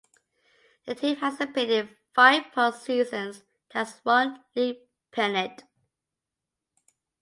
The team has appeared in five postseasons and has won one league pennant.